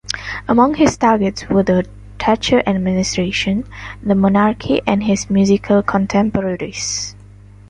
Among his targets were the Thatcher administration, the monarchy, and his musical contemporaries.